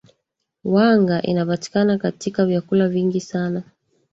wanga inapatikana katika vyakula vingi sana